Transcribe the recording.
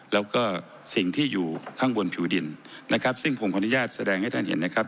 แล้วก็สิ่งที่อยู่ข้างบนผิวดินนะครับซึ่งผมขออนุญาตแสดงให้ท่านเห็นนะครับ